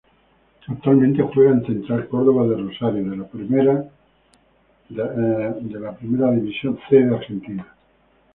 Actualmente juega en Central Córdoba de Rosario de la Primera C de Argentina.